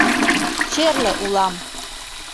Черле улам!